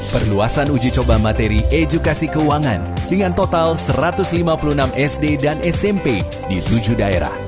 perluasan uji coba materi edukasi keuangan dengan total satu ratus lima puluh enam sd dan smp di tujuh daerah